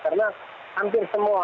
tidak ada yang bertanggung jawab